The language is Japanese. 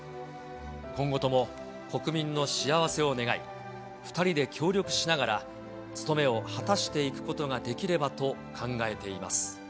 今後とも国民の幸せを願い、２人で協力しながら、務めを果たしていくことができればと考えています。